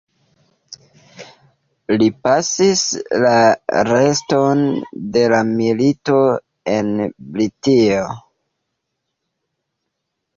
Li pasis la reston de la milito en Britio.